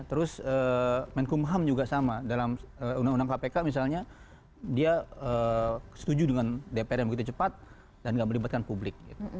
terus menkumham juga sama dalam undang undang kpk misalnya dia setuju dengan dpr yang begitu cepat dan tidak melibatkan publik